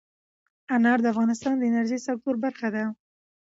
انار د افغانستان د انرژۍ سکتور برخه ده.